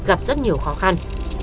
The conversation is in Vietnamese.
gặp rất nhiều khó khăn